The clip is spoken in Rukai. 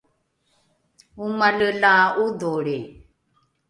omale la ’odholri